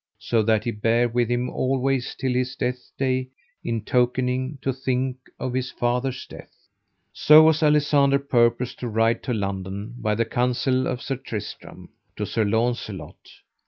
So that he bare with him always till his death day, in tokening to think of his father's death. So was Alisander purposed to ride to London, by the counsel of Sir Tristram, to Sir Launcelot.